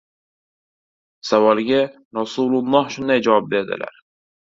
Savolga Ruhulloh shunday javob berdilar: